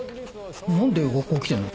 何で学校来てんの？